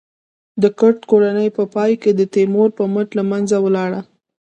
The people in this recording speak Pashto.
د کرت کورنۍ په پای کې د تیمور په مټ له منځه لاړه.